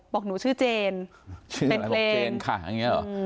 บอกหนูชื่อเจนเป็นเพลง